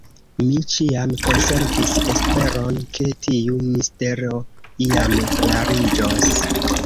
Mi ĉiam konservis esperon, ke tiu mistero iam klariĝos.